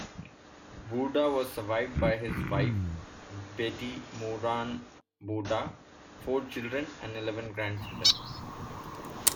Boorda was survived by his wife, Bettie Moran Boorda, four children and eleven grandchildren.